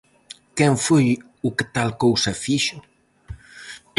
Quen foi o que tal cousa fixo?